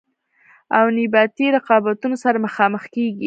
او نیابتي رقابتونو سره مخامخ کیږي.